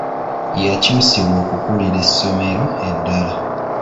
Yakyusibwa okukuulira essomero eddala.